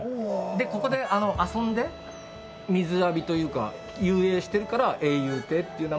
でここで遊んで水浴びというか遊泳してるから「泳遊亭」っていう名前で。